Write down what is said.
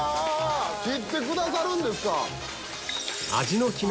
切ってくださるんですか！